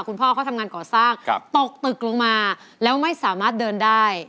คุณพ่อเขาทำงานก่อสร้างตกตึกลงมาแล้วไม่สามารถเดินได้